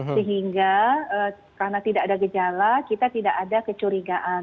sehingga karena tidak ada gejala kita tidak ada kecurigaan